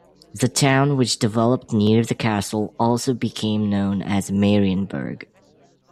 The town which developed near the castle also became known as Marienburg.